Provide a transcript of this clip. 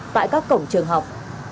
tại các cổng trường học